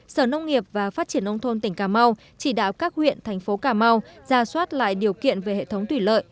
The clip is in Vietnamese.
sở nông nghiệp và phát triển nông thôn tỉnh cà mau chỉ đạo các huyện thành phố cà mau ra soát lại điều kiện về hệ thống thủy lợi